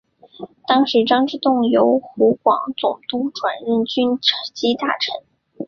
当时张之洞由湖广总督转任军机大臣。